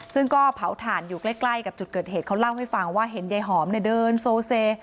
ซึ่งก็เผาถ่านอยู่ใกล้กับจุดเกิดเหตุเขาเล่าให้ฟังว่าเห็นยายหอมเนี่ยเดินโซเซ